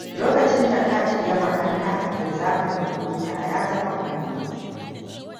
Lokacin da cat ya makanta, linzamin kwamfuta ya zama m.